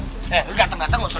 eh lu dateng dateng